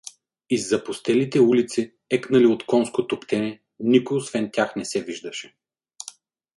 Из запустелите улици, екнали от конско туптене, никой освен тях не се виждаше.